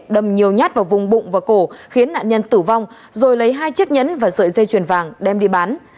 đâm nhiều nhát vào vùng bụng và cổ khiến nạn nhân tử vong rồi lấy hai chiếc nhẫn và sợi dây chuyền vàng đem đi bán